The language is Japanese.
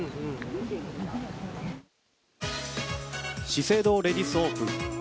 資生堂レディスオープン。